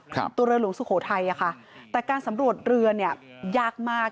ตัวเรือหลวงสุโขทัยอ่ะค่ะแต่การสำรวจเรือเนี่ยยากมาก